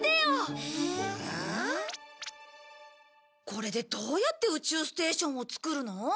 これでどうやって宇宙ステーションを作るの？